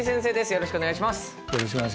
よろしくお願いします。